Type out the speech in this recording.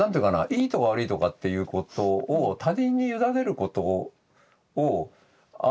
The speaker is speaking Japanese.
いいとか悪いとかっていうことを他人に委ねることをあんまりこう。